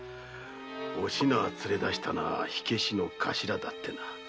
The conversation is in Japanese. お品を連れ出したのは火消しのカシラだってな。